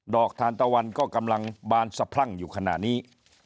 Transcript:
อกทานตะวันก็กำลังบานสะพรั่งอยู่ขณะนี้